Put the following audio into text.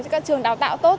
các trường đào tạo tốt